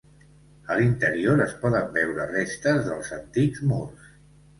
A l'interior, es poden veure restes dels antics murs.